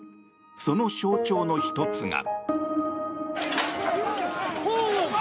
その象徴の１つが。